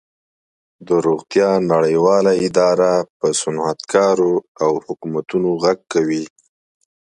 د روغتیا نړیواله اداره په صنعتکارو او حکومتونو غږ کوي